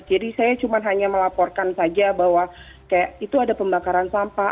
jadi saya cuma hanya melaporkan saja bahwa kayak itu ada pembakaran sampah